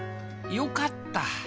よかった。